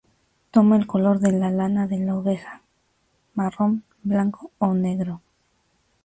Toma el color de la lana de la oveja, marrón, blanco o negro.